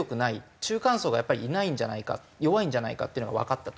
中間層がやっぱりいないんじゃないか弱いんじゃないかっていうのがわかったと。